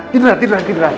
tiduran tiduran tiduran